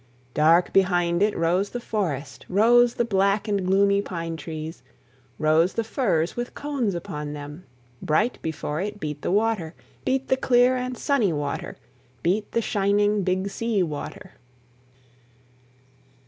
Dark behind it rose the forest, Rose the black and gloomy pine trees, Rose the firs with cones upon them; Bright before it beat the water, Beat the clear and sunny water, Beat the shining Big Sea Water.